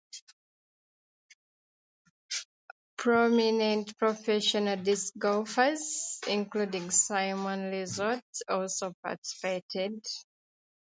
Prominent professional disc golfers including Simon Lizotte also participated.